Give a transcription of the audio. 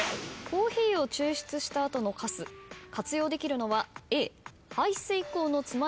コーヒーを抽出した後のかす活用できるのは。